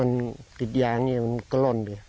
ลงไม้แล้ว